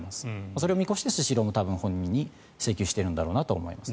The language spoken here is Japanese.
それを見越してスシローも本人に請求しているんだろうなと思います。